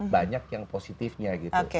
banyak yang positifnya gitu